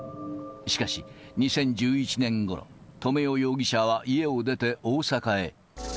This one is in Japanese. しかし、２０１１年ごろ、留与容疑者は家を出て大阪へ。